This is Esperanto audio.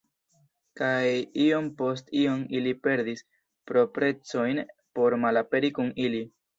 Kaj iom post iom ili perdis proprecojn por malaperi kun ili.